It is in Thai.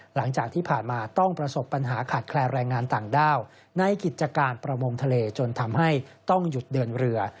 หลังจากที่ผ่านมาต้องประสบปัญหาขาดแคลนแรงงานต่างด้าวในกิจการประมงทะเลจนทำให้ต้องหยุดเดินเรือ